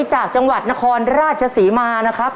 จากจังหวัดนครราชศรีมานะครับ